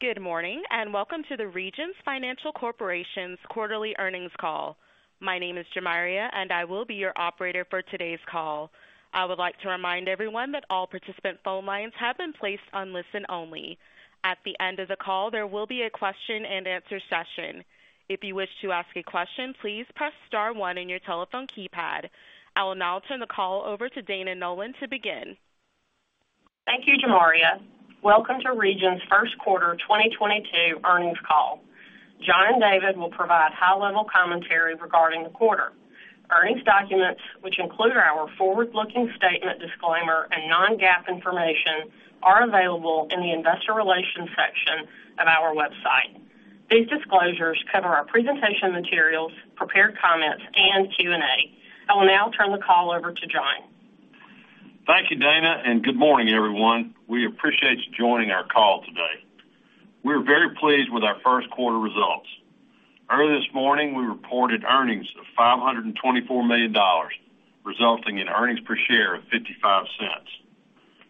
Good morning, and welcome to the Regions Financial Corporation's Quarterly Earnings Call. My name is Jamaria, and I will be your operator for today's call. I would like to remind everyone that all participant phone lines have been placed on listen-only. At the end of the call, there will be a question-and-answer session. If you wish to ask a question, please press star one in your telephone keypad. I will now turn the call over to Dana Nolan to begin. Thank you, Jamaria. Welcome to Regions Q1 2022 Earnings Call. John and David will provide high-level commentary regarding the quarter. Earnings documents, which include our forward-looking statement disclaimer and non-GAAP information, are available in the investor relations section of our website. These disclosures cover our presentation materials, prepared comments, and Q&A. I will now turn the call over to John. Thank you, Dana, and good morning, everyone. We appreciate you joining our call today. We're very pleased with our Q1 results. Early this morning, we reported earnings of $524 million, resulting in earnings per share of $0.55.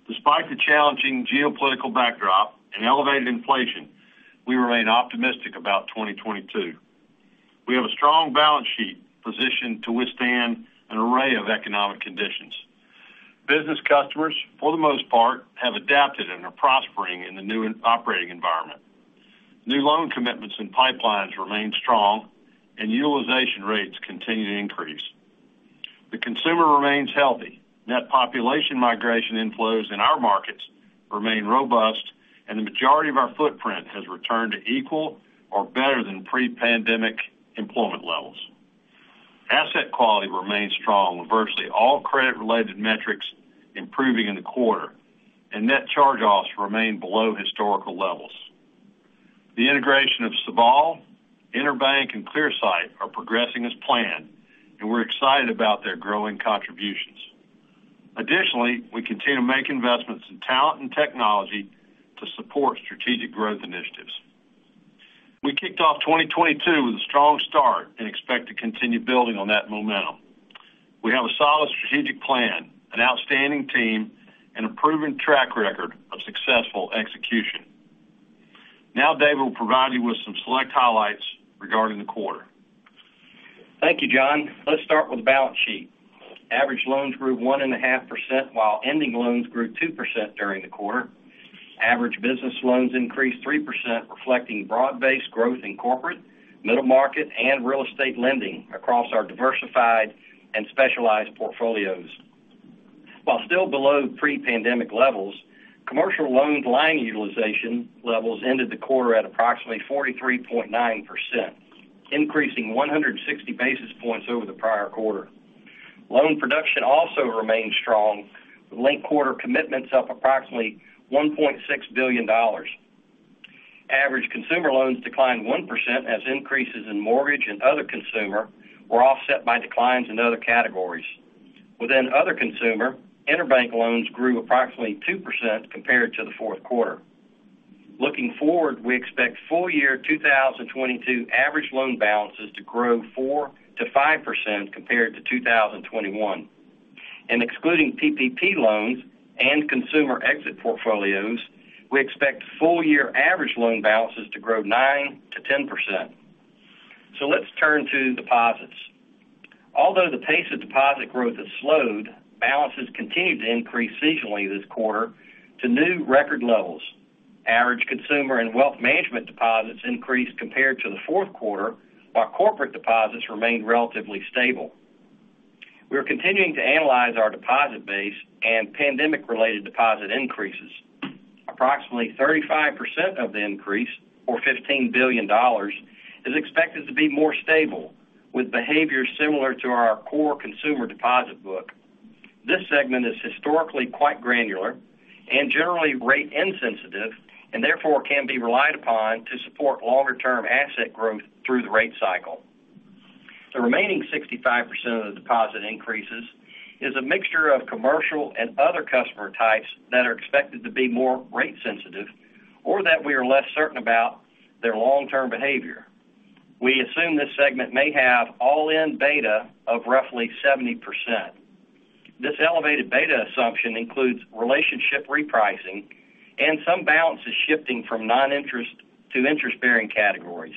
Despite the challenging geopolitical backdrop and elevated inflation, we remain optimistic about 2022. We have a strong balance sheet positioned to withstand an array of economic conditions. Business customers, for the most part, have adapted and are prospering in the new operating environment. New loan commitments and pipelines remain strong, and utilization rates continue to increase. The consumer remains healthy. Net population migration inflows in our markets remain robust, and the majority of our footprint has returned to equal or better than pre-pandemic employment levels. Asset quality remains strong, with virtually all credit-related metrics improving in the quarter, and net charge-offs remain below historical levels. The integration of Sabal, EnerBank, and Clearsight are progressing as planned, and we're excited about their growing contributions. Additionally, we continue to make investments in talent and technology to support strategic growth initiatives. We kicked off 2022 with a strong start and expect to continue building on that momentum. We have a solid strategic plan, an outstanding team, and a proven track record of successful execution. Now David will provide you with some select highlights regarding the quarter. Thank you, John. Let's start with the balance sheet. Average loans grew 1.5%, while ending loans grew 2% during the quarter. Average business loans increased 3%, reflecting broad-based growth in corporate, middle market, and real estate lending across our diversified and specialized portfolios. While still below pre-pandemic levels, commercial line utilization levels ended the quarter at approximately 43.9%, increasing 160 basis points over the prior quarter. Loan production also remained strong, with late quarter commitments up approximately $1.6 billion. Average consumer loans declined 1% as increases in mortgage and other consumer were offset by declines in other categories. Within other consumer, EnerBank loans grew approximately 2% compared to the Q4. Looking forward, we expect full year 2022 average loan balances to grow 4%-5% compared to 2021. Excluding PPP loans and consumer exit portfolios, we expect full year average loan balances to grow 9%-10%. Let's turn to deposits. Although the pace of deposit growth has slowed, balances continued to increase seasonally this quarter to new record levels. Average consumer and wealth management deposits increased compared to the Q4, while corporate deposits remained relatively stable. We are continuing to analyze our deposit base and pandemic-related deposit increases. Approximately 35% of the increase, or $15 billion, is expected to be more stable, with behavior similar to our core consumer deposit book. This segment is historically quite granular and generally rate insensitive, and therefore can be relied upon to support longer-term asset growth through the rate cycle. The remaining 65% of the deposit increases is a mixture of commercial and other customer types that are expected to be more rate sensitive or that we are less certain about their long-term behavior. We assume this segment may have all-in beta of roughly 70%. This elevated beta assumption includes relationship repricing and some balances shifting from non-interest to interest-bearing categories.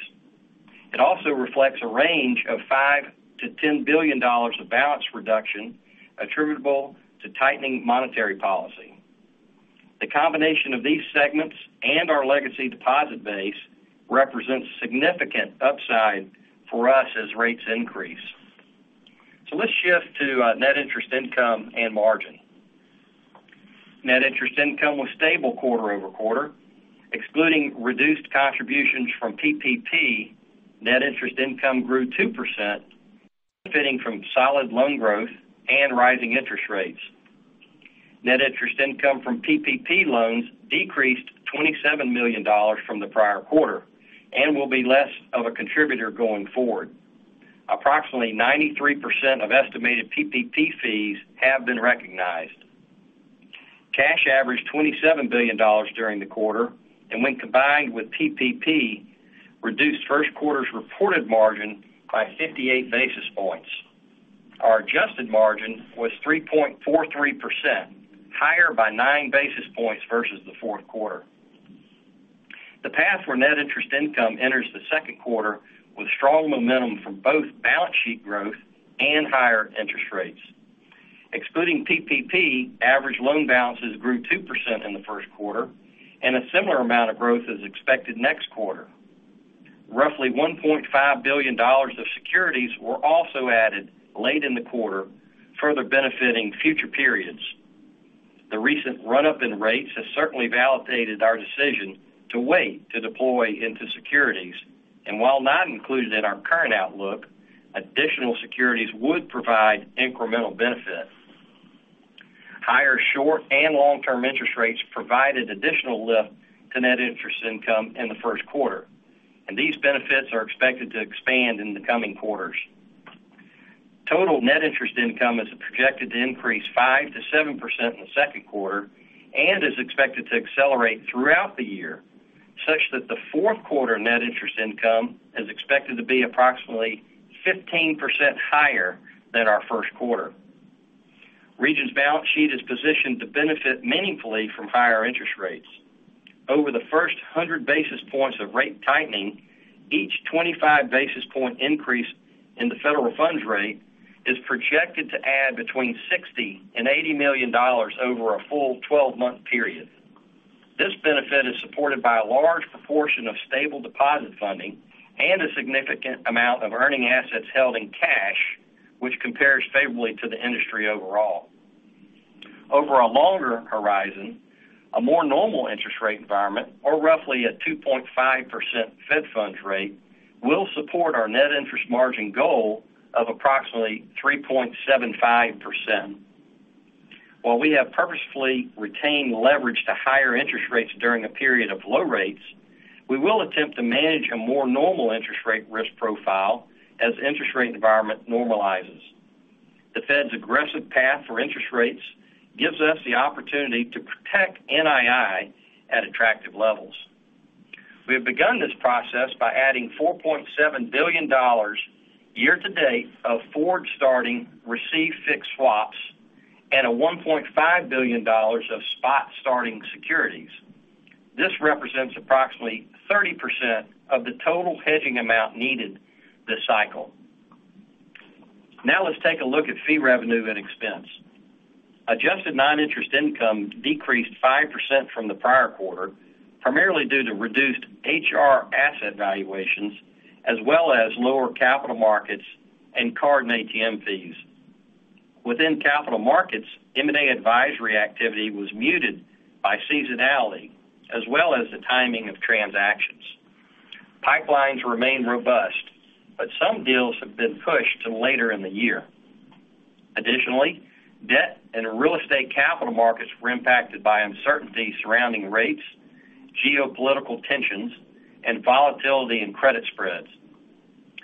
It also reflects a range of $5-$10 billion of balance reduction attributable to tightening monetary policy. The combination of these segments and our legacy deposit base represents significant upside for us as rates increase. Let's shift to net interest income and margin. Net interest income was stable quarter-over-quarter. Excluding reduced contributions from PPP, net interest income grew 2%, benefiting from solid loan growth and rising interest rates. Net interest income from PPP loans decreased $27 million from the prior quarter and will be less of a contributor going forward. Approximately 93% of estimated PPP fees have been recognized. Cash averaged $27 billion during the quarter, and when combined with PPP, reduced first quarter's reported margin by 58 basis points. Our adjusted margin was 3.43%, higher by 9 basis points versus the Q4. The path for net interest income enters the Q2 with strong momentum from both balance sheet growth and higher interest rates. Excluding PPP, average loan balances grew 2% in the Q1 and a similar amount of growth is expected next quarter. Roughly $1.5 billion of securities were also added late in the quarter, further benefiting future periods. The recent run-up in rates has certainly validated our decision to wait to deploy into securities. While not included in our current outlook, additional securities would provide incremental benefit. Higher short and long-term interest rates provided additional lift to net interest income in the Q1, and these benefits are expected to expand in the coming quarters. Total net interest income is projected to increase 5%-7% in the Q2 and is expected to accelerate throughout the year, such that the Q4 net interest income is expected to be approximately 15% higher than our Q1. Regions' balance sheet is positioned to benefit meaningfully from higher interest rates. Over the first 100 basis points of rate tightening, each 25 basis point increase in the federal funds rate is projected to add between $60 million and $80 million over a full 12-month period. This benefit is supported by a large proportion of stable deposit funding and a significant amount of earning assets held in cash, which compares favorably to the industry overall. Over a longer horizon, a more normal interest rate environment, or roughly a 2.5% Fed funds rate, will support our net interest margin goal of approximately 3.75%. While we have purposefully retained leverage to higher interest rates during a period of low rates, we will attempt to manage a more normal interest rate risk profile as interest rate environment normalizes. The Fed's aggressive path for interest rates gives us the opportunity to protect NII at attractive levels. We have begun this process by adding $4.7 billion year to date of forward starting received fixed swaps and a $1.5 billion of spot starting securities. This represents approximately 30% of the total hedging amount needed this cycle. Now let's take a look at fee revenue and expense. Adjusted non-interest income decreased 5% from the prior quarter, primarily due to reduced HR asset valuations as well as lower capital markets and card and ATM fees. Within capital markets, M&A advisory activity was muted by seasonality as well as the timing of transactions. Pipelines remain robust, but some deals have been pushed to later in the year. Additionally, debt and real estate capital markets were impacted by uncertainty surrounding rates, geopolitical tensions, and volatility in credit spreads.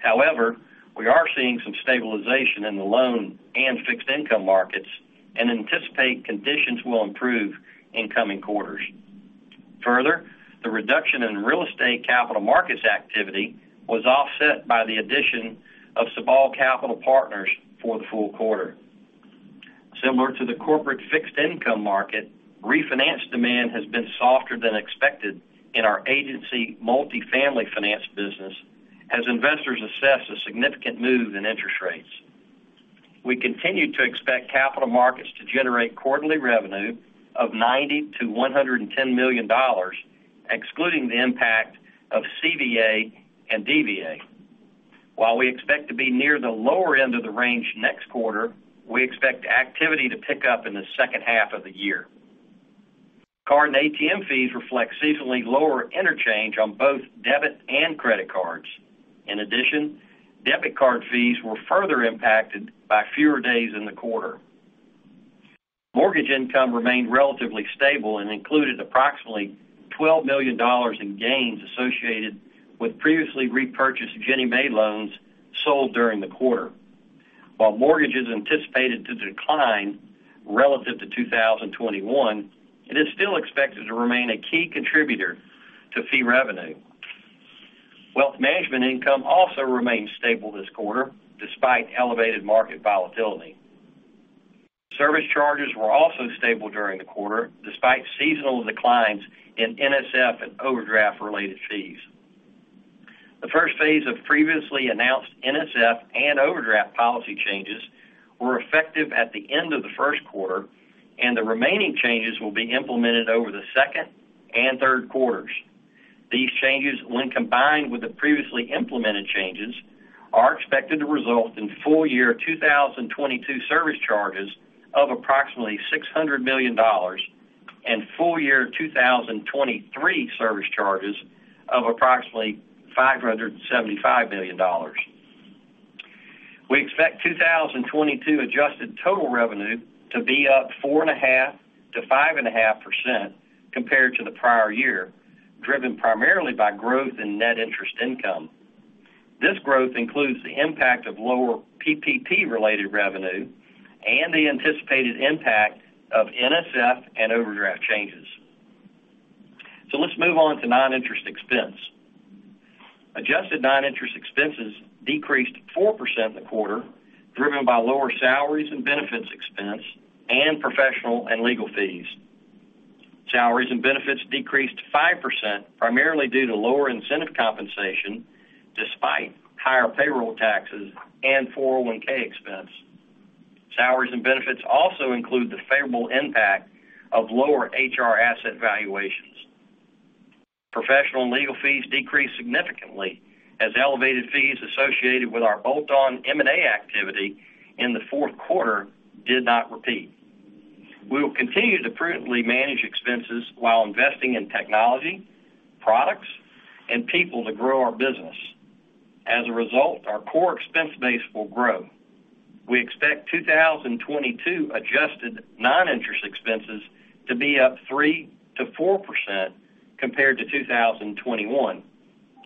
However, we are seeing some stabilization in the loan and fixed income markets and anticipate conditions will improve in coming quarters. Further, the reduction in real estate capital markets activity was offset by the addition of Sabal Capital Partners for the full quarter. Similar to the corporate fixed income market, refinance demand has been softer than expected in our agency multifamily finance business as investors assess a significant move in interest rates. We continue to expect capital markets to generate quarterly revenue of $90-$110 million, excluding the impact of CVA and DVA. While we expect to be near the lower end of the range next quarter, we expect activity to pick up in the second half of the year. Card and ATM fees reflect seasonally lower interchange on both debit and credit cards. In addition, debit card fees were further impacted by fewer days in the quarter. Mortgage income remained relatively stable and included approximately $12 million in gains associated with previously repurchased Ginnie Mae loans sold during the quarter. While mortgage is anticipated to decline relative to 2021, it is still expected to remain a key contributor to fee revenue. Wealth management income also remained stable this quarter despite elevated market volatility. Service charges were also stable during the quarter despite seasonal declines in NSF and overdraft-related fees. The first phase of previously announced NSF and overdraft policy changes were effective at the end of the Q1, and the remaining changes will be implemented over the second and third quarters. These changes, when combined with the previously implemented changes, are expected to result in full year 2022 service charges of approximately $600 million and full year 2023 service charges of approximately $575 million. We expect 2022 adjusted total revenue to be up 4.5%-5.5% compared to the prior year, driven primarily by growth in net interest income. This growth includes the impact of lower PPP-related revenue and the anticipated impact of NSF and overdraft changes. Let's move on to noninterest expense. Adjusted noninterest expenses decreased 4% in the quarter, driven by lower salaries and benefits expense and professional and legal fees. Salaries and benefits decreased 5%, primarily due to lower incentive compensation despite higher payroll taxes and 401(k) expense. Salaries and benefits also include the favorable impact of lower HR asset valuations. Professional and legal fees decreased significantly as elevated fees associated with our bolt-on M&A activity in the Q4 did not repeat. We will continue to prudently manage expenses while investing in technology, products, and people to grow our business. As a result, our core expense base will grow. We expect 2022 adjusted non-interest expenses to be up 3%-4% compared to 2021.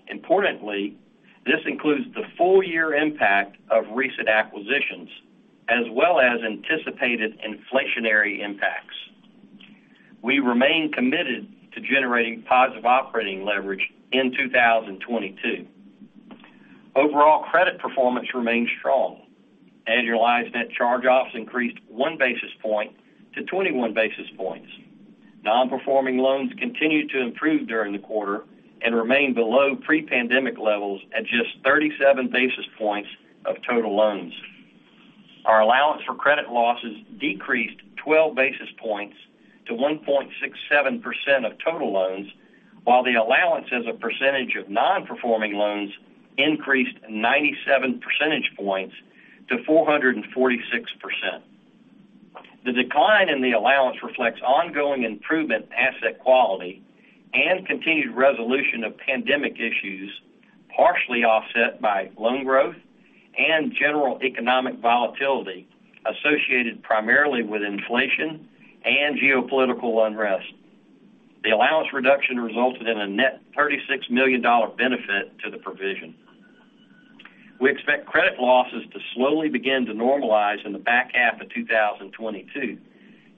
Importantly, this includes the full year impact of recent acquisitions as well as anticipated inflationary impacts. We remain committed to generating positive operating leverage in 2022. Overall credit performance remains strong. Annualized net charge-offs increased 1 basis point to 21 basis points. Non-performing loans continued to improve during the quarter and remain below pre-pandemic levels at just 37 basis points of total loans. Our allowance for credit losses decreased 12 basis points to 1.67% of total loans, while the allowance as a percentage of non-performing loans increased 97 percentage points to 446%. The decline in the allowance reflects ongoing improvement in asset quality and continued resolution of pandemic issues, partially offset by loan growth and general economic volatility associated primarily with inflation and geopolitical unrest. The allowance reduction resulted in a net $36 million benefit to the provision. We expect credit losses to slowly begin to normalize in the back half of 2022,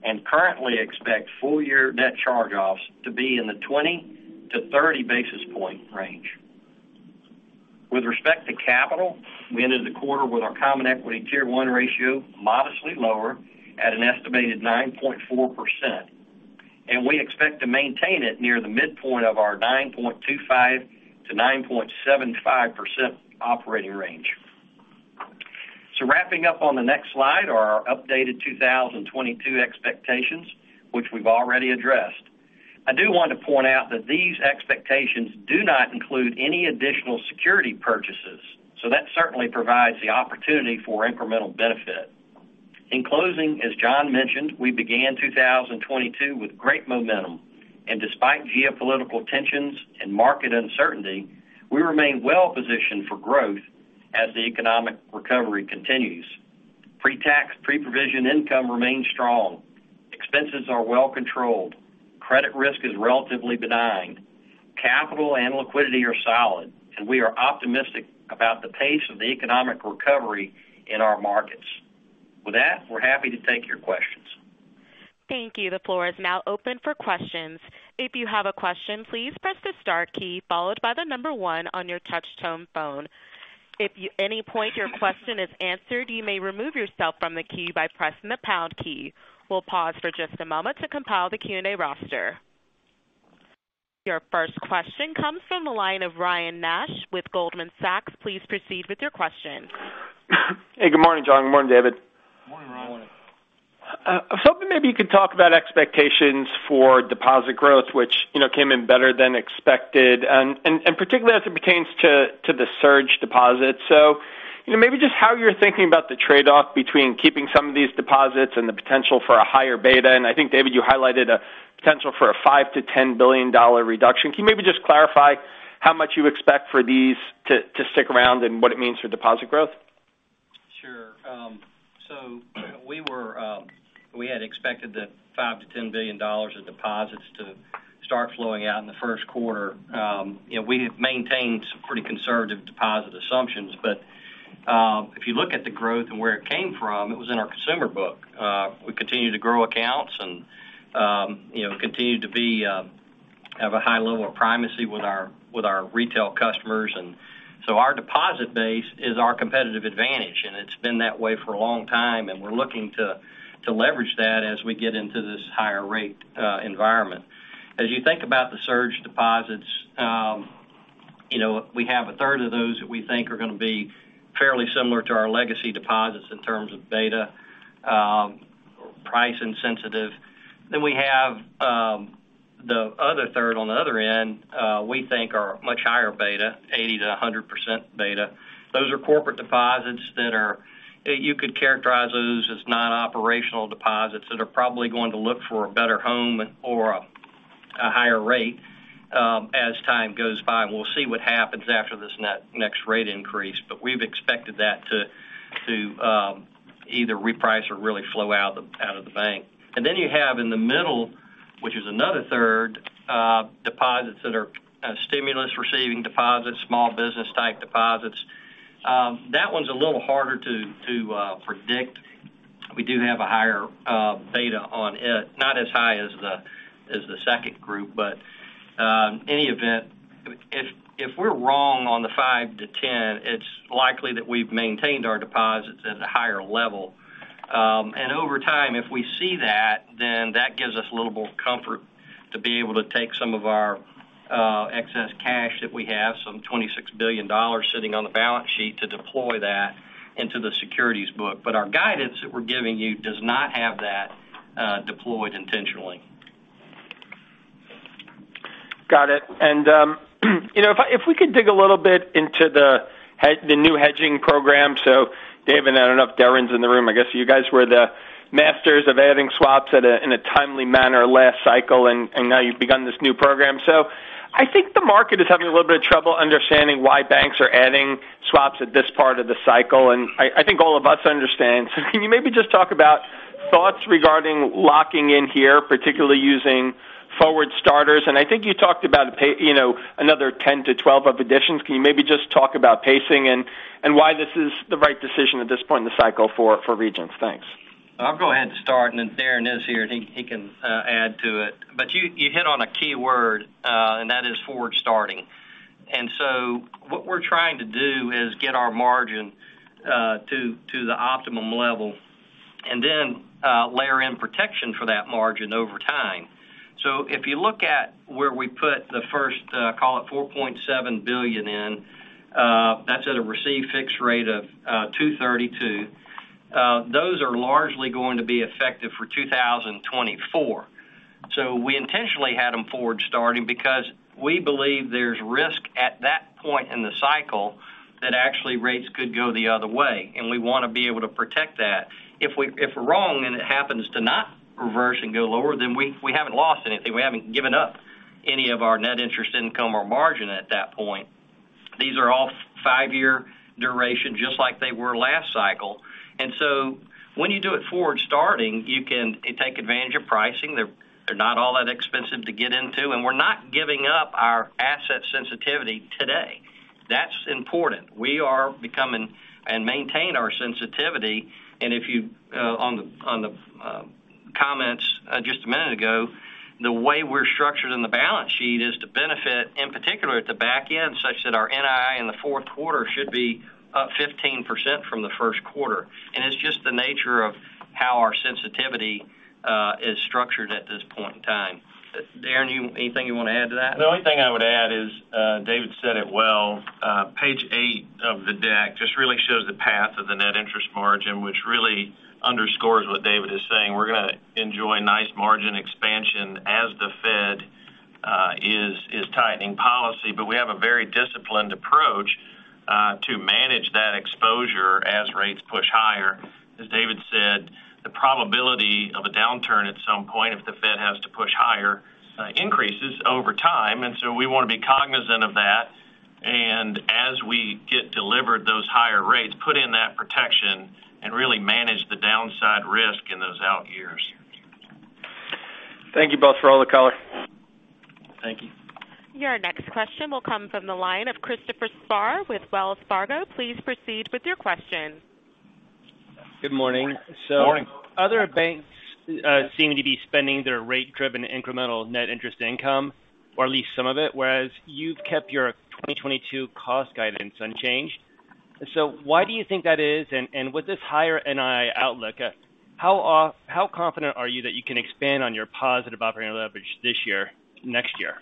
and currently expect full year net charge-offs to be in the 20-30 basis point range. With respect to capital, we ended the quarter with our common equity Tier 1 ratio modestly lower at an estimated 9.4%, and we expect to maintain it near the midpoint of our 9.25%-9.75% operating range. Wrapping up on the next slide are our updated 2022 expectations, which we've already addressed. I do want to point out that these expectations do not include any additional security purchases, so that certainly provides the opportunity for incremental benefit. In closing, as John mentioned, we began 2022 with great momentum, and despite geopolitical tensions and market uncertainty, we remain well positioned for growth as the economic recovery continues. Pre-tax, pre-provision income remains strong. Expenses are well controlled. Credit risk is relatively benign. Capital and liquidity are solid, and we are optimistic about the pace of the economic recovery in our markets. With that, we're happy to take your questions. Thank you. The floor is now open for questions. If you have a question, please press the star key followed by the number one on your touch tone phone. If at any point your question is answered, you may remove yourself from the key by pressing the pound key. We'll pause for just a moment to compile the Q&A roster. Your first question comes from the line of Ryan Nash with Goldman Sachs. Please proceed with your question. Hey, good morning, John. Good morning, David. Morning, Ryan. I was hoping maybe you could talk about expectations for deposit growth, which, you know, came in better than expected, and particularly as it pertains to the surge deposits. You know, maybe just how you're thinking about the trade-off between keeping some of these deposits and the potential for a higher beta. I think, David, you highlighted a potential for a $5-$10 billion reduction. Can you maybe just clarify how much you expect for these to stick around and what it means for deposit growth? Sure. We had expected the $5-$10 billion of deposits to start flowing out in the Q1. You know, we have maintained some pretty conservative deposit assumptions. If you look at the growth and where it came from, it was in our consumer book. We continue to grow accounts and, you know, continue to have a high level of primacy with our retail customers. Our deposit base is our competitive advantage, and it's been that way for a long time, and we're looking to leverage that as we get into this higher rate environment. As you think about the surge deposits, you know, we have a third of those that we think are gonna be fairly similar to our legacy deposits in terms of beta, price insensitive. We have the other third on the other end, we think are much higher beta, 80%-100% beta. Those are corporate deposits that you could characterize those as non-operational deposits that are probably going to look for a better home or a higher rate, as time goes by. We'll see what happens after this next rate increase. We've expected that to either reprice or really flow out of the bank. You have in the middle, which is another third, deposits that are stimulus receiving deposits, small business type deposits. That one's a little harder to predict. We do have a higher beta on it, not as high as the second group. In any event, if we're wrong on the 5-10, it's likely that we've maintained our deposits at a higher level. Over time, if we see that, then that gives us a little more comfort to be able to take some of our excess cash that we have, some $26 billion sitting on the balance sheet to deploy that into the securities book. Our guidance that we're giving you does not have that deployed intentionally. Got it. You know, if we could dig a little bit into the new hedging program. David, I don't know if Darrin's in the room. I guess you guys were the masters of adding swaps in a timely manner last cycle, and now you've begun this new program. I think the market is having a little bit of trouble understanding why banks are adding swaps at this part of the cycle, and I think all of us understand. Can you maybe just talk about thoughts regarding locking in here, particularly using forward starters? I think you talked about you know, another 10-12 of additions. Can you maybe just talk about pacing and why this is the right decision at this point in the cycle for Regions? Thanks. I'll go ahead and start, and if Darrin is here, he can add to it. You hit on a key word, and that is forward starting. What we're trying to do is get our margin to the optimum level and then layer in protection for that margin over time. If you look at where we put the first call it $4.7 billion in, that's at a received fixed rate of 2.32. Those are largely going to be effective for 2024. We intentionally had them forward starting because we believe there's risk at that point in the cycle that actually rates could go the other way, and we wanna be able to protect that. If we're wrong and it happens to not reverse and go lower, then we haven't lost anything. We haven't given up any of our net interest income or margin at that point. These are all five-year duration, just like they were last cycle. When you do it forward starting, you can take advantage of pricing. They're not all that expensive to get into, and we're not giving up our asset sensitivity today. That's important. We are becoming and maintain our sensitivity. The way we're structured in the balance sheet is to benefit, in particular at the back end, such that our NII in the Q4 should be up 15% from the Q1. It's just the nature of how our sensitivity is structured at this point in time. Darrin, anything you wanna add to that? The only thing I would add is, David said it well, page eight of the deck just really shows the path of the net interest margin, which really underscores what David is saying. We're gonna enjoy nice margin expansion as the Fed is tightening policy. We have a very disciplined approach to manage that exposure as rates push higher. As David said, the probability of a downturn at some point, if the Fed has to push higher, increases over time. We wanna be cognizant of that. As we get delivered those higher rates, put in that protection and really manage the downside risk in those out years. Thank you both for all the color. Thank you. Your next question will come from the line of Christopher Spahr with Wells Fargo. Please proceed with your question. Good morning. Morning. Other banks seem to be spending their rate-driven incremental net interest income, or at least some of it, whereas you've kept your 2022 cost guidance unchanged. Why do you think that is? And with this higher NII outlook, how confident are you that you can expand on your positive operating leverage this year, next year?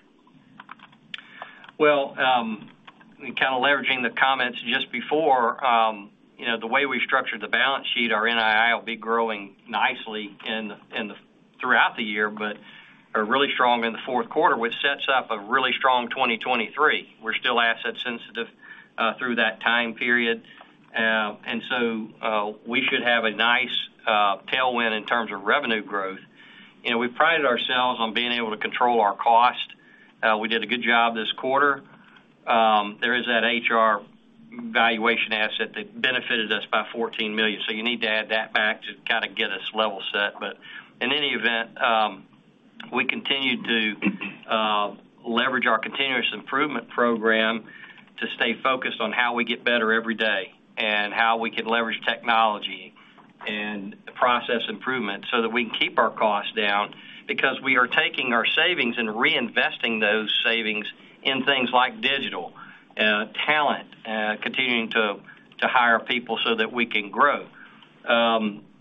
Well, kind of leveraging the comments just before, you know, the way we structured the balance sheet, our NII will be growing nicely throughout the year, but are really strong in the Q4, which sets up a really strong 2023. We're still asset sensitive through that time period. We should have a nice tailwind in terms of revenue growth. You know, we prided ourselves on being able to control our cost. We did a good job this quarter. There is that HR valuation asset that benefited us by $14 million. You need to add that back to kind of get us level set. In any event, we continue to leverage our continuous improvement program to stay focused on how we get better every day and how we can leverage technology and process improvement so that we can keep our costs down because we are taking our savings and reinvesting those savings in things like digital talent, continuing to hire people so that we can grow.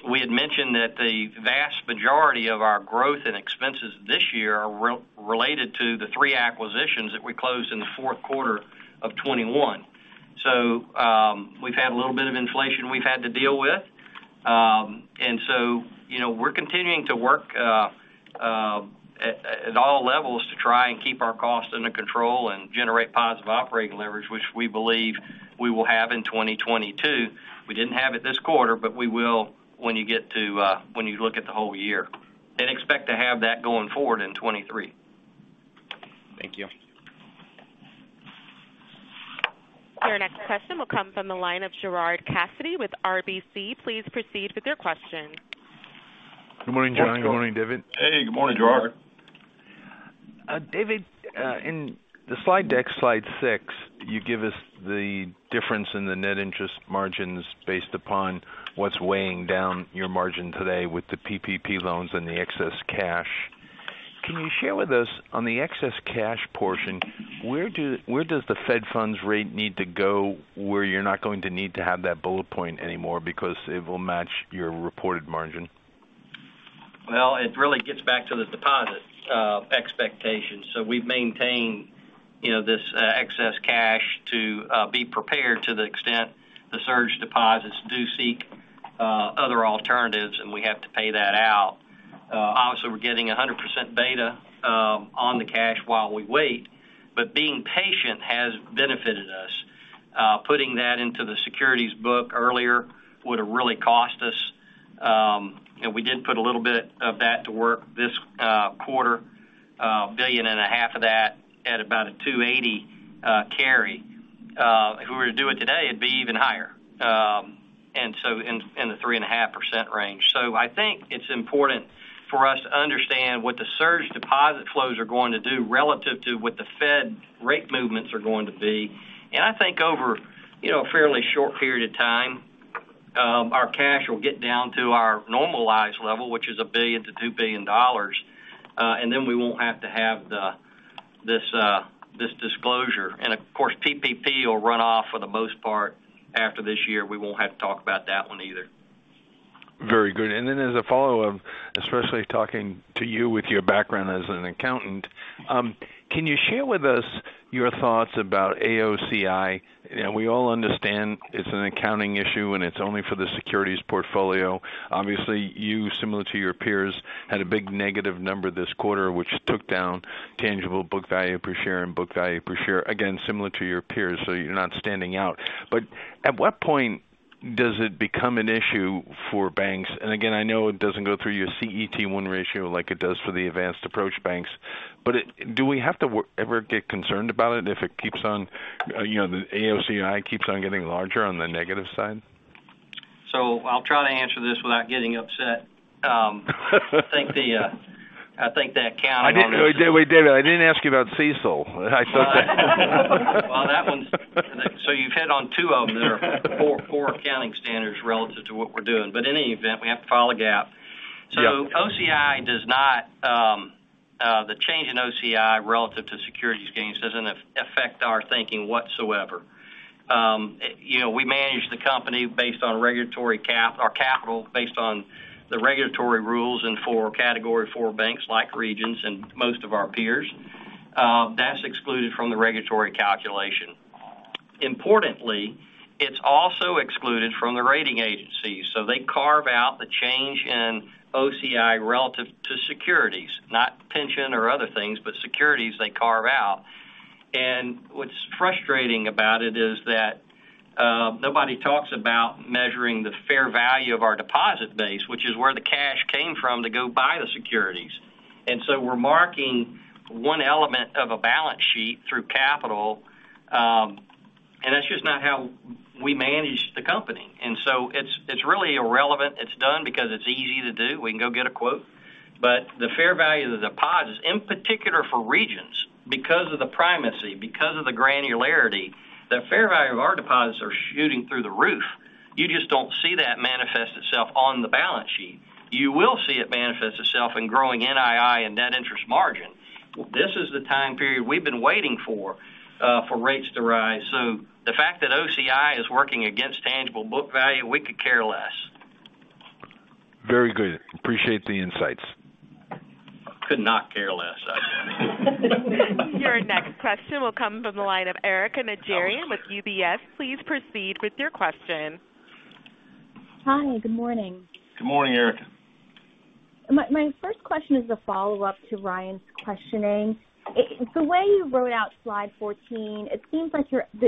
We had mentioned that the vast majority of our growth and expenses this year are related to the three acquisitions that we closed in the Q4 of 2021. We've had a little bit of inflation we've had to deal with. You know, we're continuing to work at all levels to try and keep our costs under control and generate positive operating leverage, which we believe we will have in 2022. We didn't have it this quarter, but we will when you look at the whole year, and expect to have that going forward in 2023. Thank you. Your next question will come from the line of Gerard Cassidy with RBC. Please proceed with your question. Good morning, John. Good morning, David. Hey, good morning, Gerard. David, in the slide deck, slide six, you give us the difference in the net interest margins based upon what's weighing down your margin today with the PPP loans and the excess cash. Can you share with us on the excess cash portion, where does the Fed funds rate need to go where you're not going to need to have that bullet point anymore because it will match your reported margin? Well, it really gets back to the deposit expectations. We've maintained, you know, this excess cash to be prepared to the extent the surge deposits do seek other alternatives, and we have to pay that out. Obviously, we're getting 100% beta on the cash while we wait, but being patient has benefited us. Putting that into the securities book earlier would have really cost us. You know, we did put a little bit of that to work this quarter, $1.5 billion of that at about a 2.80 carry. If we were to do it today, it'd be even higher. And so in the 3.5% range. I think it's important for us to understand what the surge deposit flows are going to do relative to what the Fed rate movements are going to be. I think over, you know, a fairly short period of time, our cash will get down to our normalized level, which is $1-$2 billion, and then we won't have to have this disclosure. Of course, PPP will run off for the most part after this year. We won't have to talk about that one either. Very good. Then as a follow-up, especially talking to you with your background as an accountant, can you share with us your thoughts about AOCI? You know, we all understand it's an accounting issue, and it's only for the securities portfolio. Obviously, you, similar to your peers, had a big negative number this quarter, which took down tangible book value per share and book value per share, again, similar to your peers, so you're not standing out. But at what point does it become an issue for banks? And again, I know it doesn't go through your CET1 ratio like it does for the advanced approach banks, but do we ever have to get concerned about it if it keeps on, you know, the AOCI keeps on getting larger on the negative side? I'll try to answer this without getting upset. I think that count on this We did, I didn't ask you about CECL. I took that. You've hit on two of them. There are four accounting standards relative to what we're doing. In any event, we have to file a GAAP. Yeah. OCI does not, the change in OCI relative to securities gains doesn't affect our thinking whatsoever. You know, we manage the company based on regulatory capital based on the regulatory rules. For Category IV banks like Regions and most of our peers, that's excluded from the regulatory calculation. Importantly, it's also excluded from the rating agencies. They carve out the change in OCI relative to securities, not pension or other things, but securities they carve out. What's frustrating about it is that nobody talks about measuring the fair value of our deposit base, which is where the cash came from to go buy the securities. We're marking one element of a balance sheet through capital, and that's just not how we manage the company. It's really irrelevant. It's done because it's easy to do. We can go get a quote. The fair value of the deposits, in particular for Regions, because of the primacy, because of the granularity, the fair value of our deposits are shooting through the roof. You just don't see that manifest itself on the balance sheet. You will see it manifest itself in growing NII and net interest margin. This is the time period we've been waiting for rates to rise. The fact that OCI is working against tangible book value, we could care less. Very good. Appreciate the insights. Could not care less, actually. Your next question will come from the line of Erika Najarian with UBS. Please proceed with your question. Hi, good morning. Good morning, Erika. My first question is a follow-up to Ryan's questioning. The way you wrote out slide 14, it seems like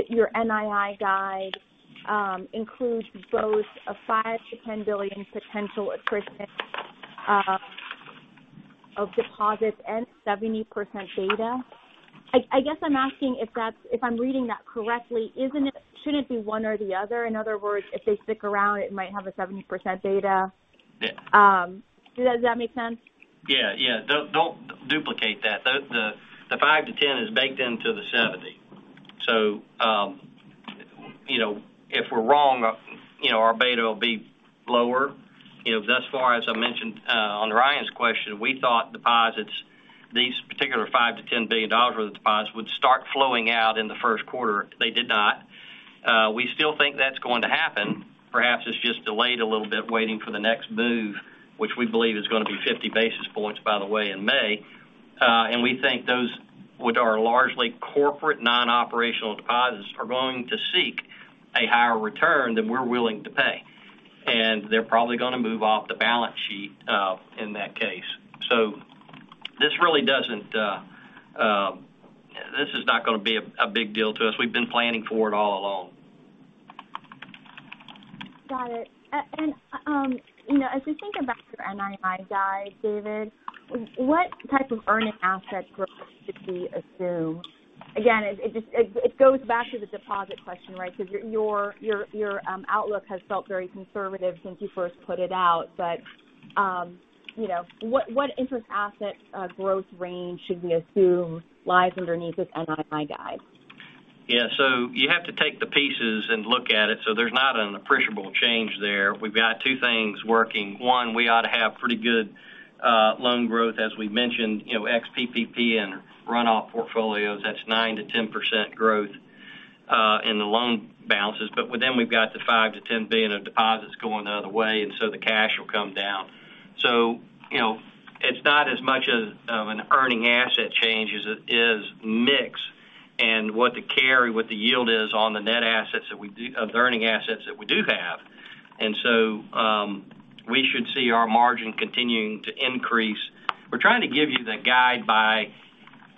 your NII guide includes both a $5-$10 billion potential accretion of deposits and 70% beta. I guess I'm asking if I'm reading that correctly, shouldn't it be one or the other? In other words, if they stick around, it might have a 70% beta. Yeah. Does that make sense? Yeah, yeah. Don't duplicate that. The 5-10 is baked into the 70. You know, if we're wrong, you know, our beta will be lower. You know, thus far, as I mentioned, on Ryan's question, we thought deposits, these particular $5-$10 billion worth of deposits would start flowing out in the Q1. They did not. We still think that's going to happen. Perhaps it's just delayed a little bit waiting for the next move, which we believe is gonna be 50 basis points, by the way, in May. We think those, which are largely corporate non-operational deposits, are going to seek a higher return than we're willing to pay. They're probably gonna move off the balance sheet, in that case. This is not gonna be a big deal to us. We've been planning for it all along. Got it. You know, as we think about your NII guide, David, what type of earning asset growth should we assume? Again, it just goes back to the deposit question, right? Because your outlook has felt very conservative since you first put it out. You know, what interest asset growth range should we assume lies underneath this NII guide? Yeah. You have to take the pieces and look at it. There's not an appreciable change there. We've got two things working. One, we ought to have pretty good loan growth. As we mentioned, you know, ex PPP and runoff portfolios, that's 9%-10% growth in the loan balances. Then we've got the $5-$10 billion of deposits going the other way, and the cash will come down. You know, it's not as much of an earning asset change as it is mix and what the yield is on the net assets of the earning assets that we have. We should see our margin continuing to increase. We're trying to give you the guide by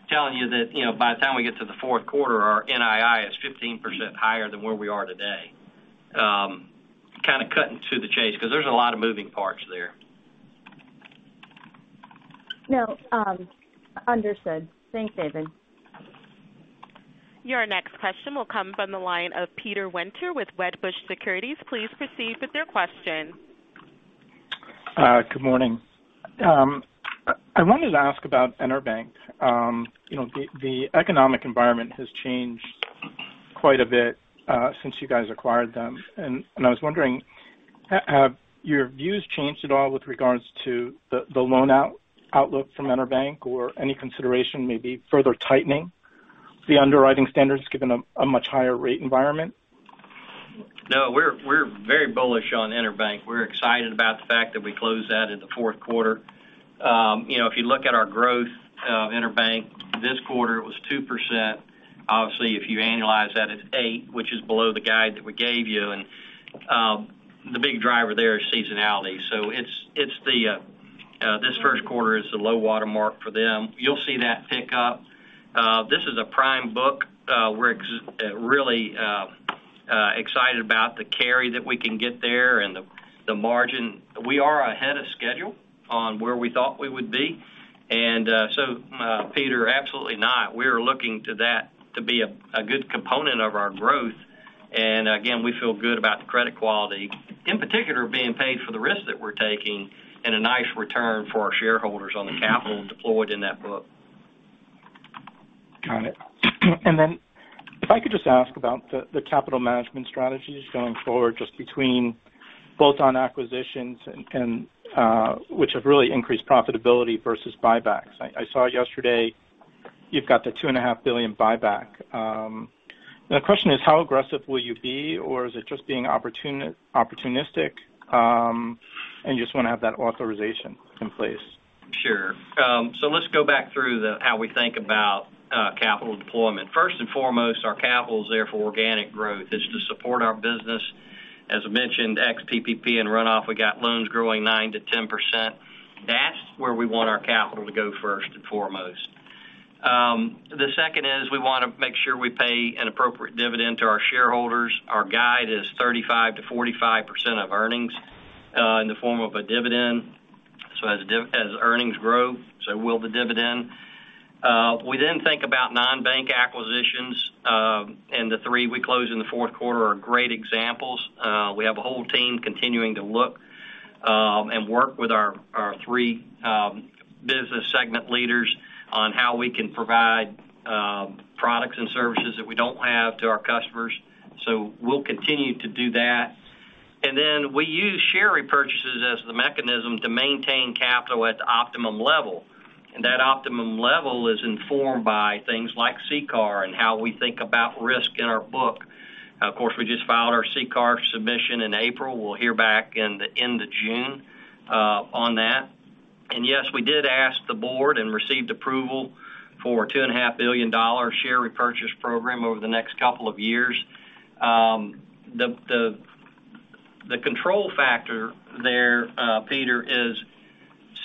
telling you that, you know, by the time we get to the Q4, our NII is 15% higher than where we are today. Kind of cutting to the chase because there's a lot of moving parts there. No, understood. Thanks, David. Your next question will come from the line of Peter Winter with Wedbush Securities. Please proceed with your question. Good morning. I wanted to ask about EnerBank. You know, the economic environment has changed quite a bit since you guys acquired them. I was wondering, have your views changed at all with regards to the loan outlook from EnerBank or any consideration, maybe further tightening the underwriting standards given a much higher rate environment? No, we're very bullish on EnerBank. We're excited about the fact that we closed that in the Q4. You know, if you look at our growth of EnerBank, this quarter it was 2%. Obviously, if you annualize that, it's 8%, which is below the guide that we gave you. The big driver there is seasonality. This Q1 is the low water mark for them. You'll see that pick up. This is a prime book. We're really excited about the carry that we can get there and the margin. We are ahead of schedule on where we thought we would be. Peter, absolutely not. We are looking to that to be a good component of our growth. Again, we feel good about the credit quality, in particular, being paid for the risk that we're taking and a nice return for our shareholders on the capital deployed in that book. Got it. If I could just ask about the capital management strategies going forward, just between both on acquisitions and which have really increased profitability versus buybacks. I saw yesterday you've got the $2.5 billion buyback. The question is, how aggressive will you be, or is it just being opportunistic, and you just wanna have that authorization in place? Sure. Let's go back through how we think about capital deployment. First and foremost, our capital is there for organic growth. It's to support our business. As I mentioned, ex PPP and runoff, we got loans growing 9%-10%. That's where we want our capital to go first and foremost. The second is we wanna make sure we pay an appropriate dividend to our shareholders. Our guide is 35%-45% of earnings in the form of a dividend. As earnings grow, so will the dividend. We then think about non-bank acquisitions, and the three we closed in the Q4 are great examples. We have a whole team continuing to look and work with our three business segment leaders on how we can provide products and services that we don't have to our customers. We'll continue to do that. We use share repurchases as the mechanism to maintain capital at the optimum level. That optimum level is informed by things like CCAR and how we think about risk in our book. Of course, we just filed our CCAR submission in April. We'll hear back in the end of June on that. Yes, we did ask the board and received approval for a $2.5 billion share repurchase program over the next couple of years. The control factor there, Peter, is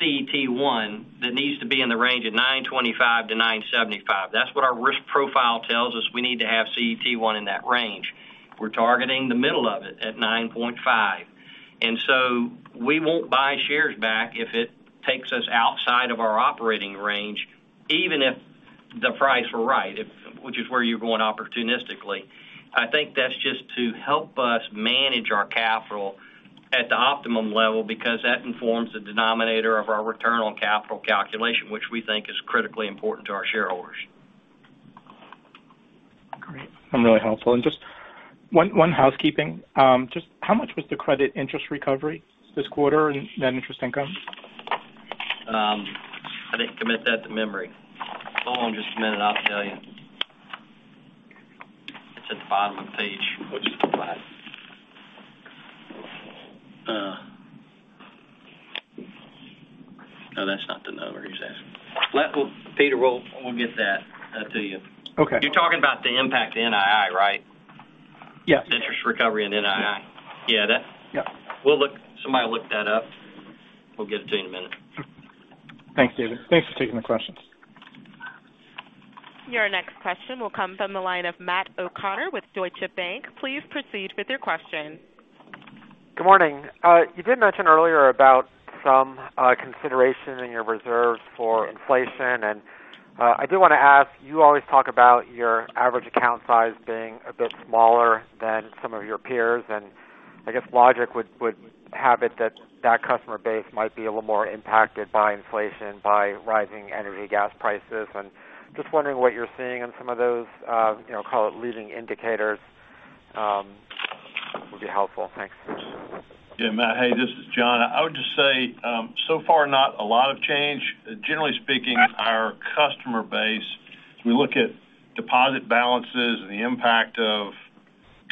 CET1. That needs to be in the range of 9.25%-9.75%. That's what our risk profile tells us. We need to have CET1 in that range. We're targeting the middle of it at 9.5. We won't buy shares back if it takes us outside of our operating range, even if the price were right, which is where you're going opportunistically. I think that's just to help us manage our capital at the optimum level because that informs the denominator of our return on capital calculation, which we think is critically important to our shareholders. Great. Really helpful. Just one housekeeping. Just how much was the credit interest recovery this quarter and net interest income? I didn't commit that to memory. Hold on just a minute, I'll tell you. It's at the bottom of page. Which is what? No, that's not the number he's asking. Peter, we'll get that to you. Okay. You're talking about the impact to NII, right? Yeah. Interest recovery and NII. Yeah. Yeah. Yeah. Somebody will look that up. We'll get it to you in a minute. Thanks, David. Thanks for taking the questions. Your next question will come from the line of Matt O'Connor with Deutsche Bank. Please proceed with your question. Good morning. You did mention earlier about some consideration in your reserves for inflation. I do want to ask, you always talk about your average account size being a bit smaller than some of your peers, and I guess logic would have it that customer base might be a little more impacted by inflation, by rising energy gas prices. Just wondering what you're seeing in some of those, you know, call it leading indicators, would be helpful. Thanks. Yeah, Matt. Hey, this is John. I would just say, so far, not a lot of change. Generally speaking, our customer base, we look at deposit balances and the impact of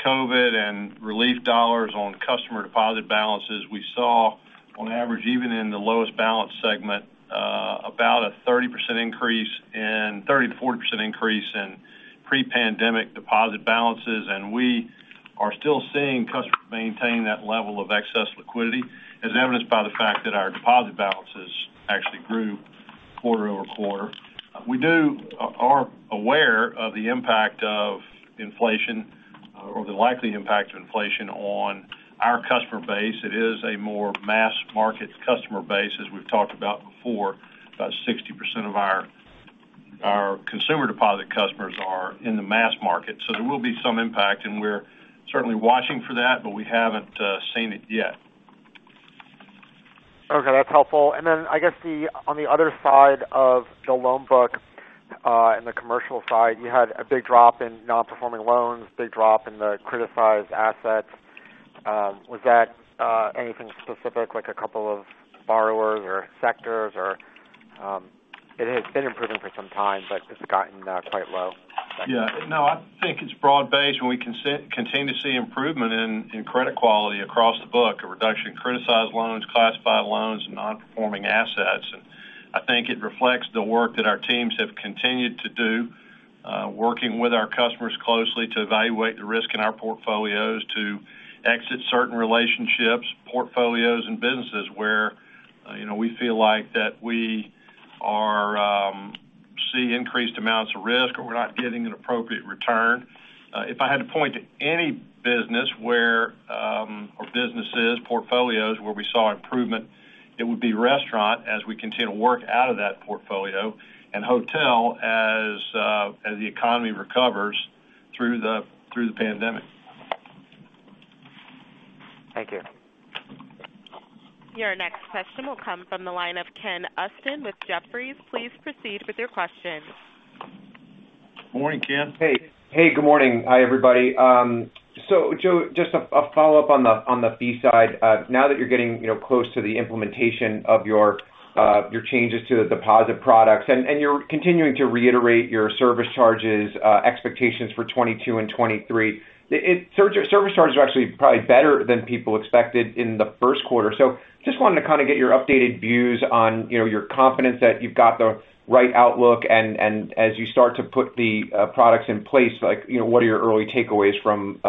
COVID and relief dollars on customer deposit balances. We saw on average, even in the lowest balance segment, about a 30%-40% increase in pre-pandemic deposit balances. We are still seeing customers maintain that level of excess liquidity, as evidenced by the fact that our deposit balances actually grew quarter-over-quarter. We are aware of the impact of inflation or the likely impact of inflation on our customer base. It is a more mass market customer base, as we've talked about before. About 60% of our consumer deposit customers are in the mass market. There will be some impact, and we're certainly watching for that, but we haven't seen it yet. Okay, that's helpful. Then I guess on the other side of the loan book, and the commercial side, you had a big drop in non-performing loans, big drop in the criticized assets. Was that anything specific, like a couple of borrowers or sectors or? It has been improving for some time, but it's gotten quite low. Yeah. No, I think it's broad-based, and we continue to see improvement in credit quality across the book, a reduction in criticized loans, classified loans, and non-performing assets. I think it reflects the work that our teams have continued to do, working with our customers closely to evaluate the risk in our portfolios to exit certain relationships, portfolios, and businesses where, you know, we feel like we are seeing increased amounts of risk or we're not getting an appropriate return. If I had to point to any business or businesses, portfolios where we saw improvement, it would be restaurant as we continue to work out of that portfolio and hotel as the economy recovers through the pandemic. Thank you. Your next question will come from the line of Ken Usdin with Jefferies. Please proceed with your question. Morning, Ken. Hey. Hey, good morning. Hi, everybody. John, just a follow-up on the fee side. Now that you're getting, you know, close to the implementation of your changes to the deposit products, and you're continuing to reiterate your service charges expectations for 2022 and 2023. Service charges are actually probably better than people expected in the Q1. Just wanted to kind of get your updated views on, you know, your confidence that you've got the right outlook and as you start to put the products in place, like, you know, what are your early takeaways from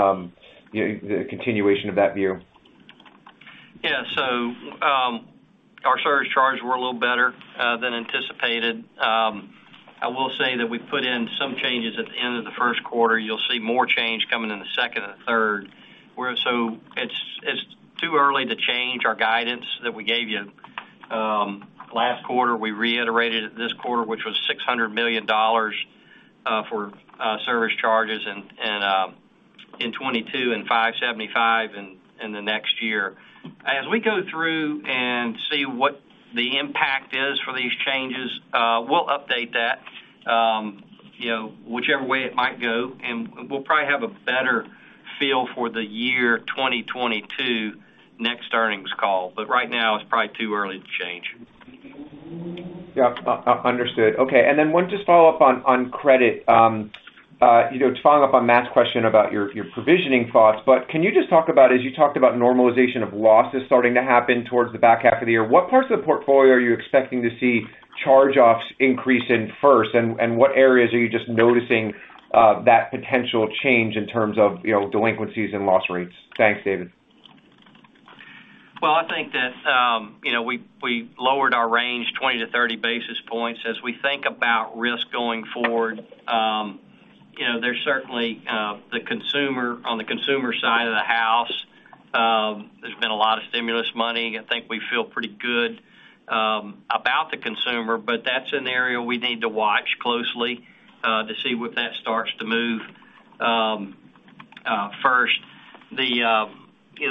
the continuation of that view? Yeah. Our service charges were a little better than anticipated. I will say that we put in some changes at the end of the Q1. You'll see more change coming in the second and the third. It's too early to change our guidance that we gave you. Last quarter, we reiterated it this quarter, which was $600 million for service charges and in 2022 and $575 million in the next year. As we go through and see what the impact is for these changes, we'll update that, you know, whichever way it might go, and we'll probably have a better feel for the year 2022 next earnings call. Right now it's probably too early to change. Understood. Okay. Want to just follow up on credit. You know, following up on Matt's question about your provisioning thoughts, but can you just talk about as you talked about normalization of losses starting to happen towards the back half of the year, what parts of the portfolio are you expecting to see charge-offs increase in first, and what areas are you just noticing that potential change in terms of, you know, delinquencies and loss rates? Thanks, David. Well, I think that, you know, we lowered our range 20-30 basis points. As we think about risk going forward, you know, there's certainly the consumer. On the consumer side of the house, there's been a lot of stimulus money. I think we feel pretty good about the consumer, but that's an area we need to watch closely to see when that starts to move first. The, you know,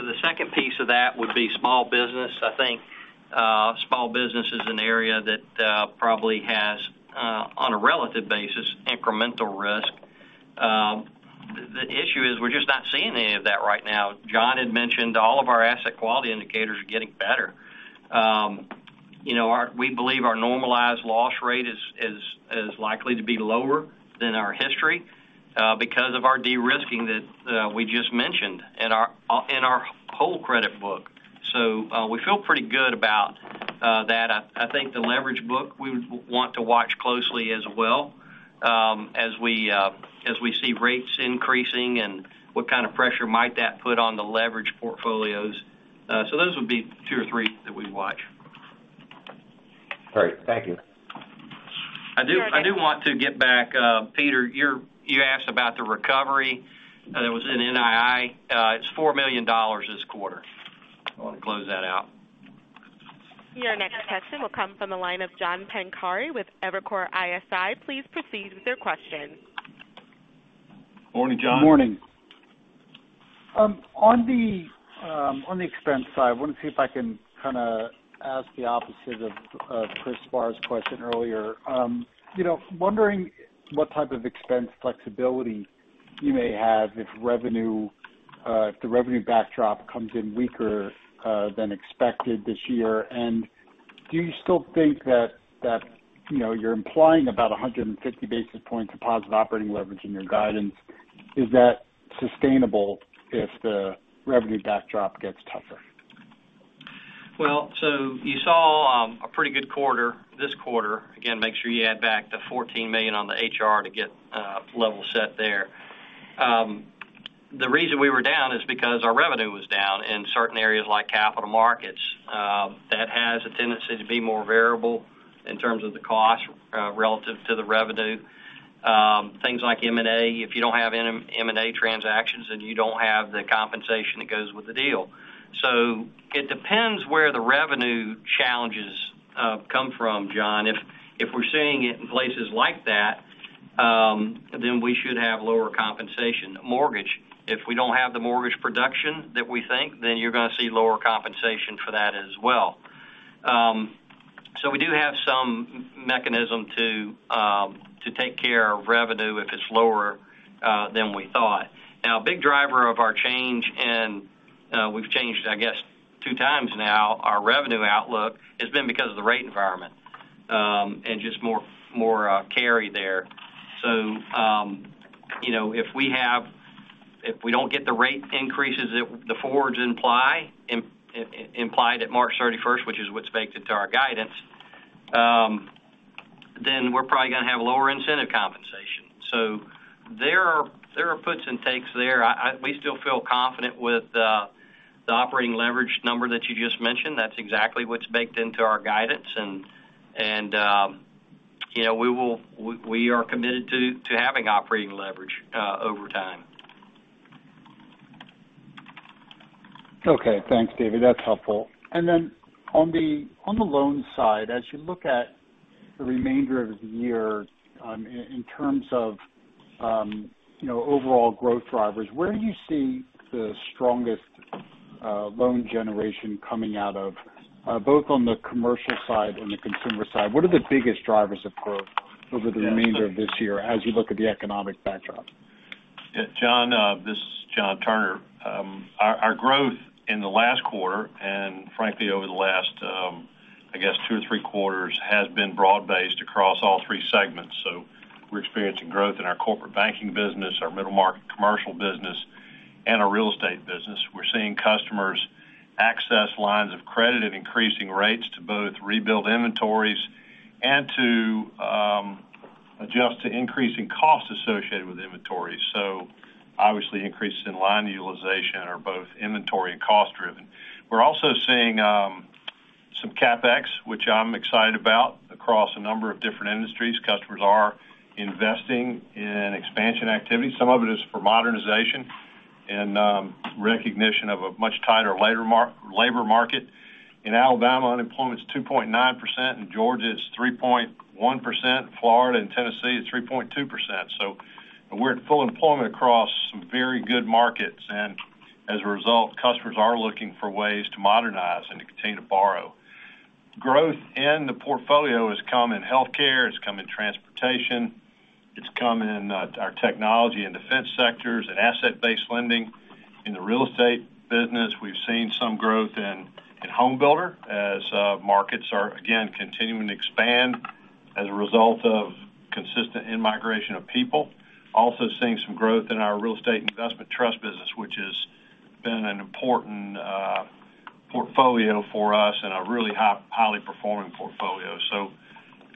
the second piece of that would be small business. I think small business is an area that probably has, on a relative basis, incremental risk. The issue is we're just not seeing any of that right now. John had mentioned all of our asset quality indicators are getting better. You know, we believe our normalized loss rate is likely to be lower than our history because of our de-risking that we just mentioned in our whole credit book. We feel pretty good about that. I think the leverage book we would want to watch closely as well, as we see rates increasing and what kind of pressure might that put on the leverage portfolios. Those would be two or three that we watch. Great. Thank you. I do want to get back. Peter, you asked about the recovery that was in NII. It's $4 million this quarter. I wanna close that out. Your next question will come from the line of John Pancari with Evercore ISI. Please proceed with your question. Morning, John. Morning. On the expense side, I wanna see if I can kinda ask the opposite of Christopher Spahr's question earlier. You know, wondering what type of expense flexibility you may have if the revenue backdrop comes in weaker than expected this year. Do you still think that you know, you're implying about 150 basis points of positive operating leverage in your guidance. Is that sustainable if the revenue backdrop gets tougher? Well, you saw a pretty good quarter-this-quarter. Again, make sure you add back the $14 million on the HR to get level set there. The reason we were down is because our revenue was down in certain areas like capital markets. That has a tendency to be more variable in terms of the cost relative to the revenue. Things like M&A, if you don't have an M&A transactions, then you don't have the compensation that goes with the deal. It depends where the revenue challenges come from, John. If we're seeing it in places like that, then we should have lower compensation. Mortgage, if we don't have the mortgage production that we think, then you're gonna see lower compensation for that as well. We do have some mechanism to take care of revenue if it's lower than we thought. Now, a big driver of our change, and we've changed, I guess, two times now, our revenue outlook has been because of the rate environment, and just more carry there. If we don't get the rate increases that the forwards imply, implied at March 31st, which is what's baked into our guidance, then we're probably gonna have lower incentive compensation. There are puts and takes there. We still feel confident with the operating leverage number that you just mentioned. That's exactly what's baked into our guidance, and we are committed to having operating leverage over time. Okay. Thanks, David. That's helpful. On the loan side, as you look at the remainder of the year, in terms of, you know, overall growth drivers, where do you see the strongest loan generation coming out of, both on the commercial side and the consumer side? What are the biggest drivers of growth over the remainder of this year as you look at the economic backdrop? Yeah, John, this is John Turner. Our growth in the last quarter and frankly over the last, I guess two or three quarters, has been broad-based across all three segments. We're experiencing growth in our corporate banking business, our middle market commercial business, and our real estate business. We're seeing customers access lines of credit at increasing rates to both rebuild inventories and to adjust to increasing costs associated with inventory. Increases in line utilization are both inventory and cost-driven. We're also seeing some CapEx, which I'm excited about, across a number of different industries. Customers are investing in expansion activity. Some of it is for modernization and recognition of a much tighter labor market. In Alabama, unemployment is 2.9%. In Georgia, it's 3.1%. Florida and Tennessee, it's 3.2%. We're at full employment across some very good markets, and as a result, customers are looking for ways to modernize and to continue to borrow. Growth in the portfolio has come in healthcare, it's come in transportation, it's come in our technology and defense sectors and asset-based lending. In the real estate business, we've seen some growth in home builder as markets are again continuing to expand as a result of consistent in-migration of people. Also seeing some growth in our real estate investment trust business, which has been an important portfolio for us and a really high, highly performing portfolio.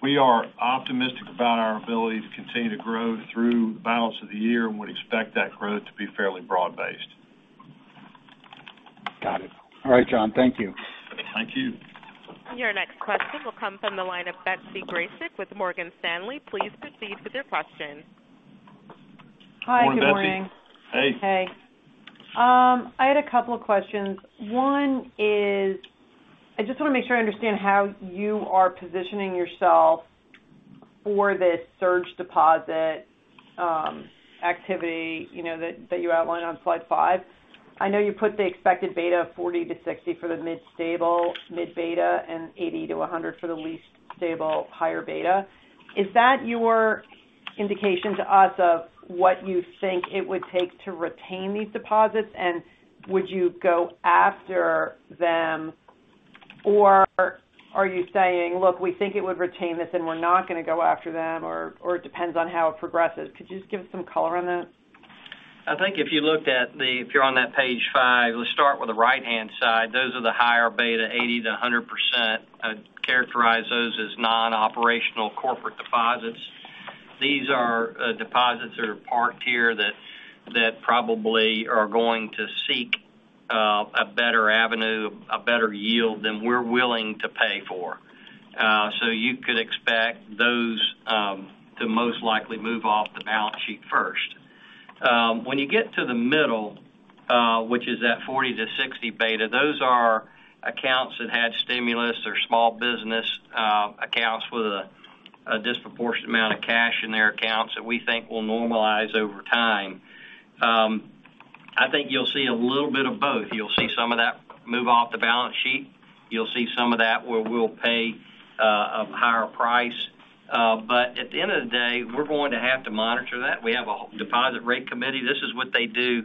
We are optimistic about our ability to continue to grow through the balance of the year. We expect that growth to be fairly broad-based. Got it. All right, John. Thank you. Thank you. Your next question will come from the line of Betsy Graseck with Morgan Stanley. Please proceed with your question. Hi. Good morning. Morning, Betsy. Hey. Hey. I had a couple of questions. One is, I just wanna make sure I understand how you are positioning yourself for this surge deposit activity, you know, that you outlined on slide 5. I know you put the expected beta of 40-60 for the mid stable, mid beta and 80-100 for the least stable higher beta. Is that your indication to us of what you think it would take to retain these deposits, and would you go after them, or are you saying, "Look, we think it would retain this and we're not gonna go after them," or it depends on how it progresses? Could you just give some color on that? I think if you're on that page five, let's start with the right-hand side. Those are the higher beta, 80%-100%. I'd characterize those as non-operational corporate deposits. These are deposits that are parked here that probably are going to seek a better avenue, a better yield than we're willing to pay for. You could expect those to most likely move off the balance sheet first. When you get to the middle, which is that 40-60 beta, those are accounts that had stimulus or small business accounts with a disproportionate amount of cash in their accounts that we think will normalize over time. I think you'll see a little bit of both. You'll see some of that move off the balance sheet. You'll see some of that where we'll pay a higher price. At the end of the day, we're going to have to monitor that. We have a deposit rate committee. This is what they do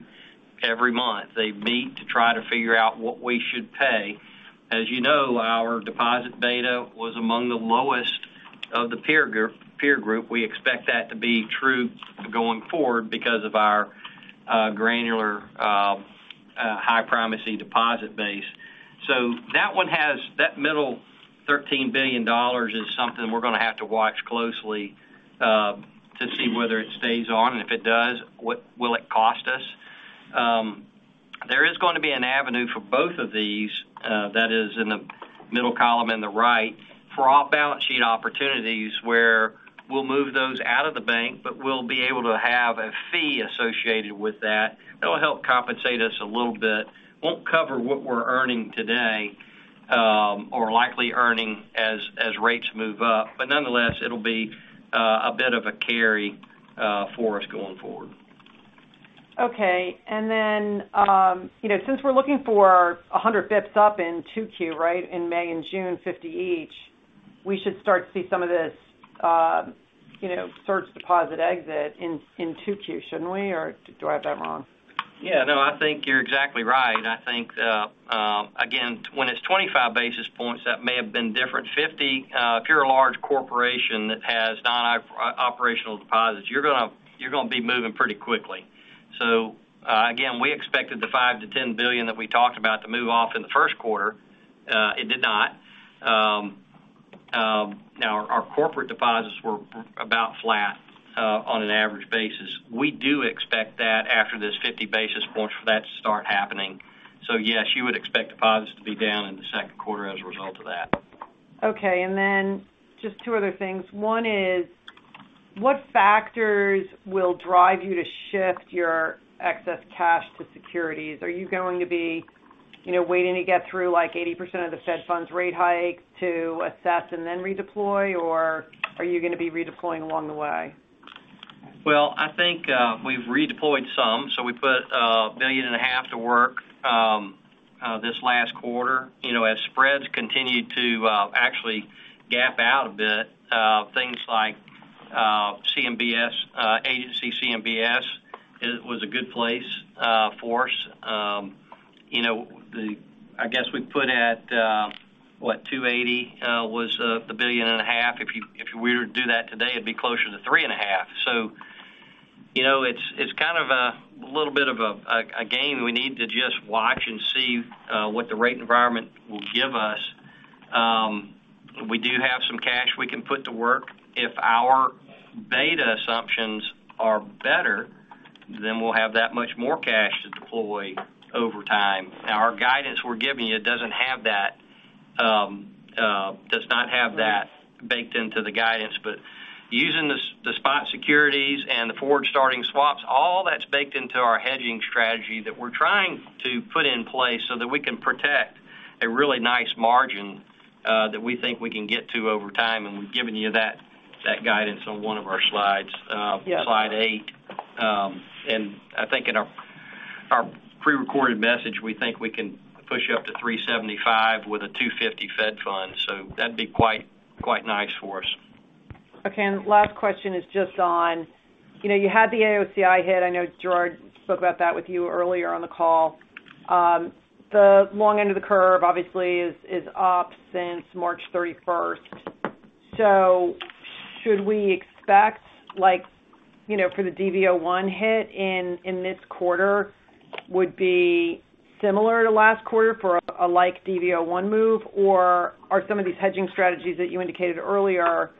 every month. They meet to try to figure out what we should pay. As you know, our deposit beta was among the lowest of the peer group. We expect that to be true going forward because of our granular, high-primacy deposit base. That middle $13 billion is something we're gonna have to watch closely to see whether it stays on, and if it does, what will it cost us. There is gonna be an avenue for both of these, that is in the middle column in the right for off-balance sheet opportunities, where we'll move those out of the bank, but we'll be able to have a fee associated with that. That'll help compensate us a little bit. Won't cover what we're earning today, or likely earning as rates move up. Nonetheless, it'll be a bit of a carry for us going forward. Okay. You know, since we're looking for 100 basis points up in 2Q, right, in May and June, 50 each, we should start to see some of this, you know, core deposit exit in 2Q, shouldn't we? Or do I have that wrong? Yeah. No, I think you're exactly right. I think, again, when it's 25 basis points, that may have been different. 50, if you're a large corporation that has non-operational deposits, you're gonna be moving pretty quickly. So, again, we expected the $5 billion-$10 billion that we talked about to move off in the Q1. It did not. Now, our corporate deposits were about flat, on an average basis. We do expect that after this 50 basis points for that to start happening. So yes, you would expect deposits to be down in the Q2 as a result of that. Okay. Just two other things. One is, what factors will drive you to shift your excess cash to securities? Are you going to be, you know, waiting to get through, like, 80% of the Fed funds rate hike to assess and then redeploy, or are you gonna be redeploying along the way? Well, I think we've redeployed some. We put $1.5 billion to work this last quarter. You know, as spreads continued to actually gap out a bit, things like CMBS, agency CMBS was a good place for us. You know, I guess we put at what, 280 was the $1.5 billion. If we were to do that today, it'd be closer to 3.5. You know, it's kind of a little bit of a game we need to just watch and see what the rate environment will give us. We do have some cash we can put to work. If our beta assumptions are better, then we'll have that much more cash to deploy over time. Now, our guidance we're giving you doesn't have that, does not have that baked into the guidance, but using the the spot securities and the forward-starting swaps, all that's baked into our hedging strategy that we're trying to put in place so that we can protect a really nice margin, that we think we can get to over time, and we've given you that guidance on one of our slides. Yeah. Slide eight. I think in our prerecorded message, we think we can push you up to 3.75% with a 2.50% Fed funds. That'd be quite nice for us. Okay. The last question is just on, you know, you had the AOCI hit. I know Gerard spoke about that with you earlier on the call. The long end of the curve obviously is up since March 31st. So should we expect, like, you know, for the DV01 hit in this quarter would be similar to last quarter for a like DV01 move, or are some of these hedging strategies that you indicated earlier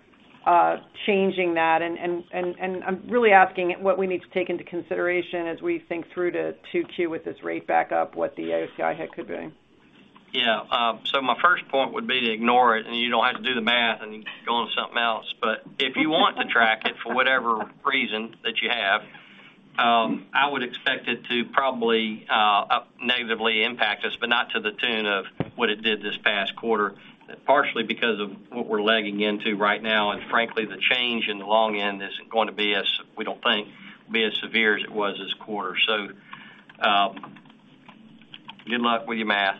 changing that? I'm really asking what we need to take into consideration as we think through to 2Q with this rate back up, what the AOCI hit could be. Yeah. My first point would be to ignore it, and you don't have to do the math and go on to something else. If you want to track it for whatever reason that you have, I would expect it to probably negatively impact us, but not to the tune of what it did this past quarter, partially because of what we're lagging into right now, and frankly, the change in the long end isn't going to be as severe as it was this quarter, we don't think. Good luck with your math.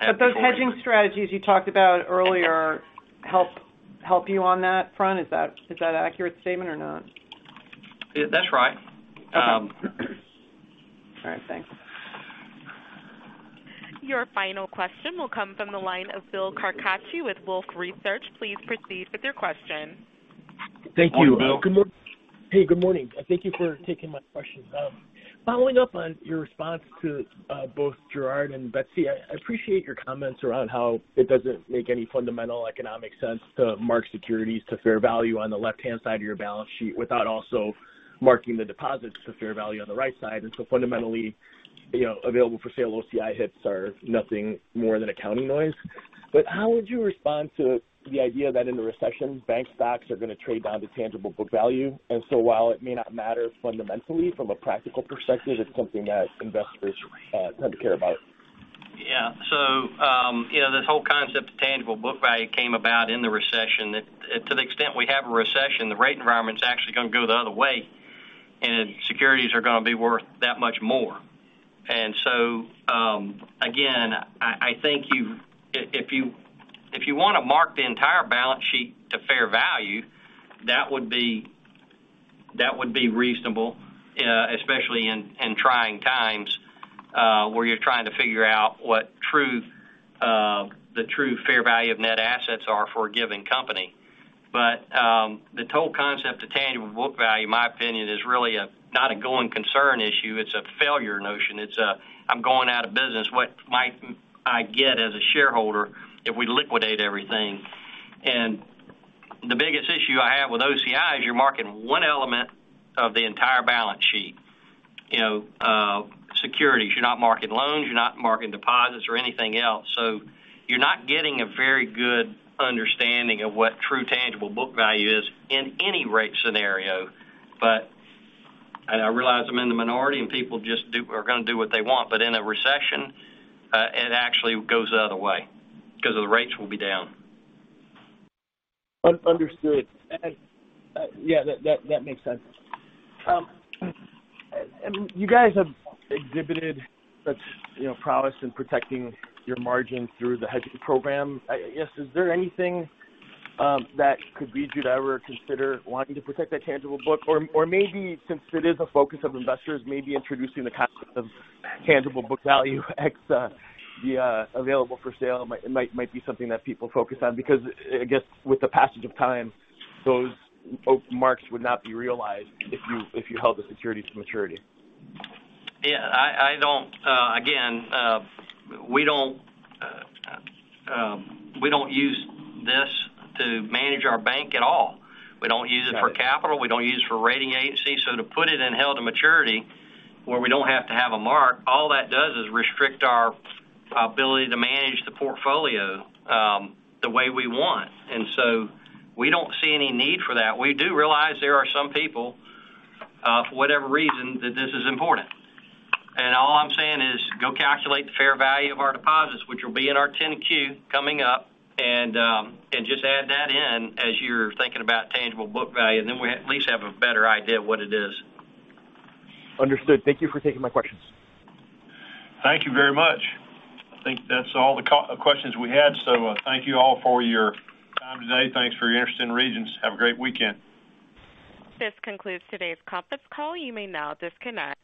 Those hedging strategies you talked about earlier help you on that front. Is that an accurate statement or not? Yeah, that's right. All right. Thanks. Your final question will come from the line of Bill Carcache with Wolfe Research. Please proceed with your question. Thank you. Hey, good morning, and thank you for taking my questions. Following up on your response to both Gerard and Betsy, I appreciate your comments around how it doesn't make any fundamental economic sense to mark securities to fair value on the left-hand side of your balance sheet without also marking the deposits to fair value on the right side. Fundamentally, you know, available for sale OCI hits are nothing more than accounting noise. How would you respond to the idea that in a recession, bank stocks are gonna trade down to tangible book value? While it may not matter fundamentally from a practical perspective, it's something that investors tend to care about. Yeah. You know, this whole concept of tangible book value came about in the recession. To the extent we have a recession, the rate environment's actually gonna go the other way, and securities are gonna be worth that much more. Again, I think if you wanna mark the entire balance sheet to fair value, that would be reasonable, especially in trying times, where you're trying to figure out what the true fair value of net assets are for a given company. The total concept of tangible book value, in my opinion, is really not a going concern issue, it's a failure notion. It's, "I'm going out of business, what might I get as a shareholder if we liquidate everything?" The biggest issue I have with OCI is you're marking one element of the entire balance sheet, you know, securities. You're not marking loans, you're not marking deposits or anything else. So you're not getting a very good understanding of what true tangible book value is in any rate scenario. I realize I'm in the minority and people just are gonna do what they want. In a recession, it actually goes the other way because the rates will be down. Understood. Yeah, that makes sense. You guys have exhibited such, you know, prowess in protecting your margins through the hedging program. I guess, is there anything that could lead you to ever consider wanting to protect that tangible book? Or maybe since it is a focus of investors, maybe introducing the concept of tangible book value ex the available for sale might be something that people focus on because, I guess, with the passage of time, those marks would not be realized if you held the security to maturity. Yeah, I don't. Again, we don't use this to manage our bank at all. We don't use it for capital. We don't use it for rating agency. To put it in held to maturity where we don't have to have a mark, all that does is restrict our ability to manage the portfolio, the way we want. We don't see any need for that. We do realize there are some people, for whatever reason, that this is important. All I'm saying is go calculate the fair value of our deposits, which will be in our 10-Q coming up, and just add that in as you're thinking about tangible book value, and then we at least have a better idea of what it is. Understood. Thank you for taking my questions. Thank you very much. I think that's all the questions we had. Thank you all for your time today. Thanks for your interest in Regions. Have a great weekend. This concludes today's conference call. You may now disconnect.